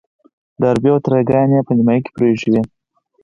ډاربي او تره يې کان په نيمايي کې پرېيښی و.